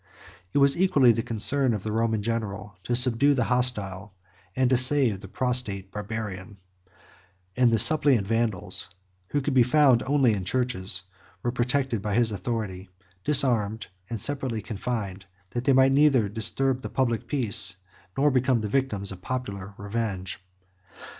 It was equally the concern of the Roman general to subdue the hostile, and to save the prostrate, Barbarian; and the suppliant Vandals, who could be found only in churches, were protected by his authority, disarmed, and separately confined, that they might neither disturb the public peace, nor become the victims of popular revenge.